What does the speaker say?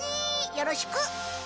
よろしく！